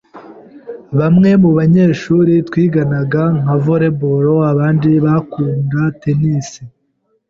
Bamwe mubanyeshuri twiganaga nka volley ball abandi bakunda tennis.